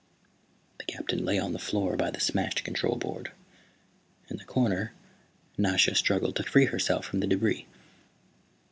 The Captain lay on the floor by the smashed control board. In the corner Nasha struggled to free herself from the debris.